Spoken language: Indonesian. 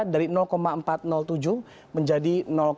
dari empat ratus tujuh menjadi empat ratus satu